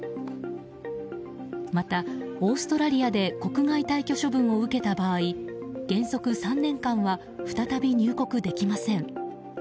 また、オーストラリアで国外退去処分を受けた場合原則３年間は再び入国できません。